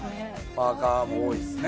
パーカーも多いっすね